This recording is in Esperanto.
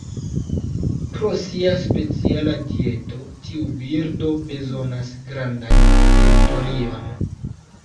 Pro sia speciala dieto, tiu birdo bezonas grandan teritorion.